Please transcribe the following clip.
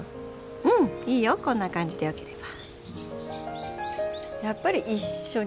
うんいいよこんな感じでよければ。